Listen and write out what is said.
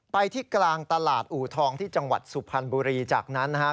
ไปที่กลางตลาดอูทองที่จังหวัดสุพรรณบุรีจากนั้นนะครับ